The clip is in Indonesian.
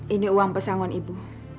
ini uang pesangon ibu